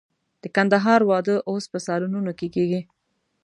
د کندهار واده اوس په سالونونو کې کېږي.